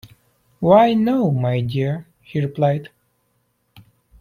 "Why, no, my dear," he replied.